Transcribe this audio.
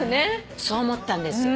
そう思ったんです